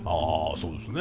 そうですね。